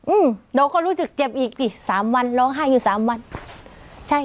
อืมเราก็รู้สึกเจ็บอีกสิสามวันร้องไห้อยู่สามวันใช่